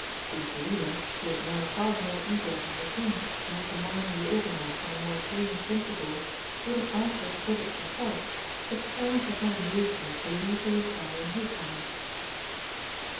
Queen Selina, who was now far more eager than the King to have the mine reorganised on a more paying principle, would have answered the critics herself, if Clarence had not induced her to leave the reply in his hands.